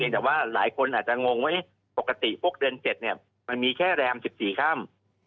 แต่หลายคนอาจจะงงว่าปกติปกติเดือนเจ็ดมันมีแค่แรม๑๔ค่ำ